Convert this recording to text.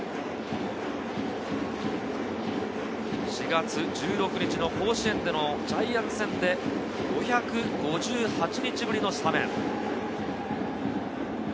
４月１６日の甲子園でのジャイアンツ戦で、５５８日ぶりのスタメン。